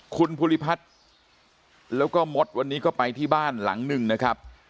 คุณภูริพัฒน์แล้วก็มดวันนี้ก็ไปที่บ้านหลังหนึ่งนะครับ